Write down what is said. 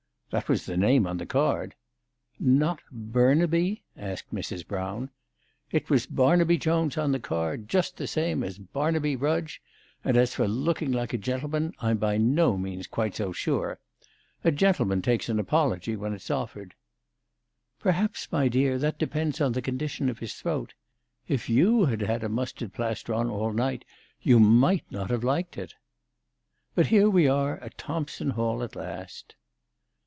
"" That was the name on the card." " Not Burnaby ?" asked Mrs. Brown. "It was Barnaby Jones on the card, just the same as ' Barnaby Rudge,' and as for looking like a gentle man, I'm by no means quite so sure. A gentleman takes an apology when it's offered." " Perhaps, my dear, that depends on the condition of his throat. If you had had a mustard plaster on all night, you might not have liked it. But here we are at Thompson Hall at last."